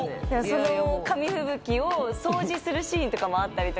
その紙吹雪を掃除するシーンもあったりして。